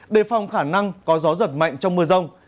đề phòng khả năng có gió giật mạnh trong mưa rông